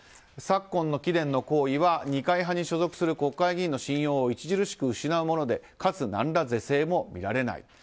昨今の貴殿の行為は二階派に所属する国会議員の信用を著しく失うものでかつ、何ら是正も見られない。